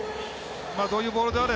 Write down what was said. どういうボールであれ